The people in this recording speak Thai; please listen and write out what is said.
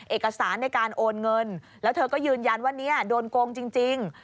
เอกสารในการโอนเงินแล้วเธอก็ยืนยันว่าเนี่ยโดนโกงจริง